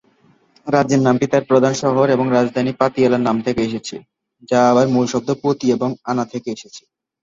রাজ্যের নামটি তার প্রধান শহর এবং রাজধানী "পাতিয়ালা"র নাম থেকে এসেছে, যা আবার মূল শব্দ "পতি" এবং "আলা" থেকে এসেছে।